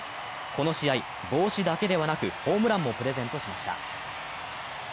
この試合、帽子だけではなくホームランもプレゼントしました。